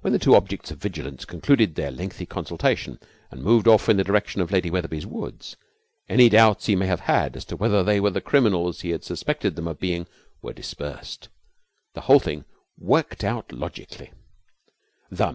When the two objects of vigilance concluded their lengthy consultation, and moved off in the direction of Lady Wetherby's woods, any doubts he may have had as to whether they were the criminals he had suspected them of being were dispersed. The whole thing worked out logically.